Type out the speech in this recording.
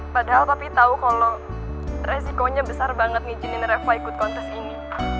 padahal papi tau kalo resikonya besar banget ngijinin reva ikut kontes ini